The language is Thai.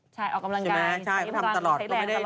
ใช่ออกกำลังกายใช้แบรนด์ตลอด